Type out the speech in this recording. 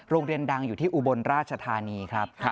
โรงเรียนดังอยู่ที่อุบลราชธานีครับ